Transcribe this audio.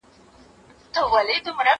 زه پرون سبزیجات وچول،